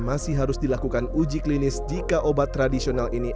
masih harus dilakukan uji klinis jika obat tradisional ini